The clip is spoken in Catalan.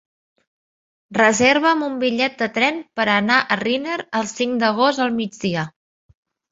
Reserva'm un bitllet de tren per anar a Riner el cinc d'agost al migdia.